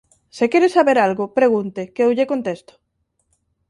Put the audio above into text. Se quere saber algo, pregunte, que eu lle contesto.